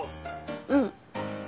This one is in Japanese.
うん。